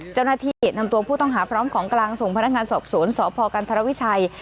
เจ้าหน้าที่นำตัวผู้ต้องหาพร้อมของกลางส่งพนักงานสอบสวนสพกันธรวิชัย